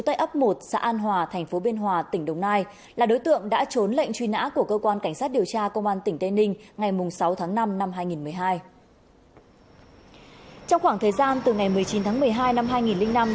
trong khoảng thời gian từ ngày một mươi chín tháng một mươi hai năm hai nghìn năm đến ngày hai mươi tám tháng chín năm hai nghìn một mươi một